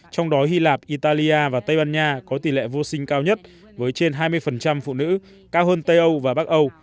trong đó hy lạp italia và tây ban nha có tỷ lệ vô sinh cao nhất với trên hai mươi phụ nữ cao hơn tây âu và bắc âu